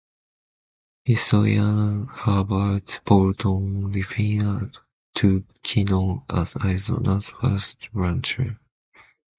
Historian Herbert Bolton referred to Kino as Arizona's first rancher.